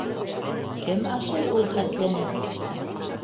Кем ашай ул хәтлене?